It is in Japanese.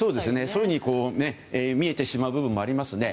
そういうふうに見えてしまう部分もありますね。